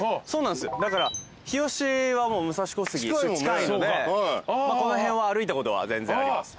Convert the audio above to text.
だから日吉はもう武蔵小杉近いのでこの辺は歩いたことは全然あります。